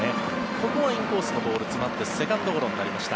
ここはインコースのボール詰まってセカンドゴロになりました。